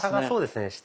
そうですね。